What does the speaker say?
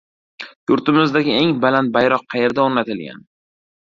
Yurtimizdagi eng baland bayroq qayerda o‘rnatilgan?